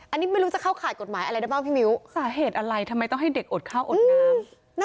อันนี้ไม่รู้จะเข้าข่ายกฎหมายอะไรได้บ้างพี่มิ้วสาเหตุอะไรทำไมต้องให้เด็กอดข้าวอดน้ำ